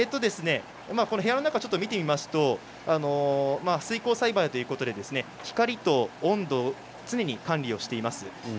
部屋の中を見てみますと水耕栽培ということで光と温度、常に管理をしています。